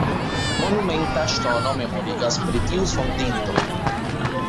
Monumenta ŝtono memorigas pri tiu fondinto.